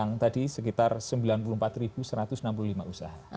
yang tadi sekitar sembilan puluh empat satu ratus enam puluh lima usaha